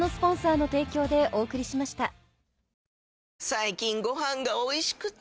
最近ご飯がおいしくて！